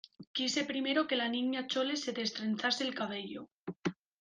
quise primero que la Niña Chole se destrenzase el cabello